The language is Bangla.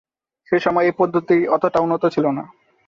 সে সময়ে এই পদ্ধতি অতটা উন্নত ছিল না।